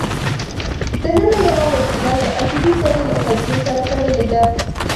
دننه یوه وسیله د اټومي ذرې له تجزیې سره تړلې ده.